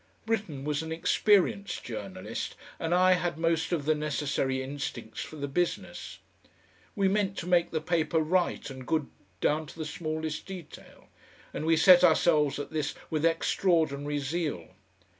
Britten was an experienced journalist, and I had most of the necessary instincts for the business. We meant to make the paper right and good down to the smallest detail, and we set ourselves at this with extraordinary zeal.